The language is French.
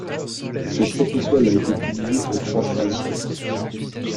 Ce protocole a été publié en trois phases.